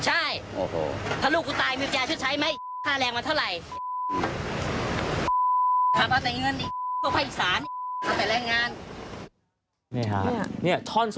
แต่คือเราไม่อธิบายรายละเอียดละกันว่าพูดว่ายังไงครบ